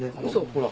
ほら。